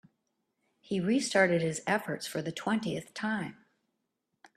He restarted his efforts for the twentieth time.